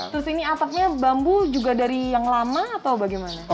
terus ini atapnya bambu juga dari yang lama atau bagaimana